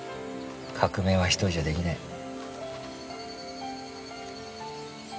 革命は一人じゃできない。